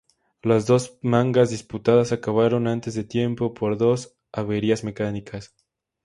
Las dos mangas disputadas acabaron antes de tiempo por dos averías mecánicas.